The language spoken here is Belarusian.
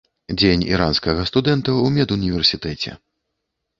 Дзень іранскага студэнта ў медуніверсітэце.